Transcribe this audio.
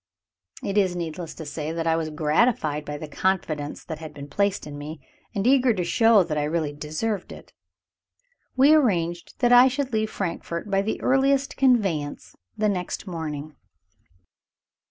It is needless to say that I was gratified by the confidence that had been placed in me, and eager to show that I really deserved it. We arranged that I should leave Frankfort by the earliest conveyance the next morning.